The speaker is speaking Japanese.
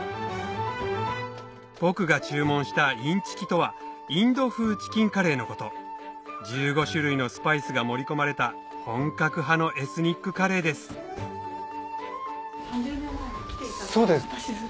僕が注文したインチキとはインド風チキンカレーのこと１５種類のスパイスが盛り込まれた本格派のエスニックカレーですそうです。